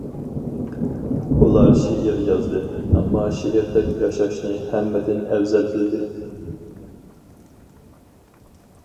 ئۇلار شېئىر يازدى، ئەمما شېئىردەك ياشاشنى ھەممىدىن ئەۋزەل بىلدى.